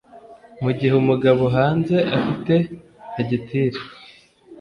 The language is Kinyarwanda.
mugihe umugabo hanze afite fagitire,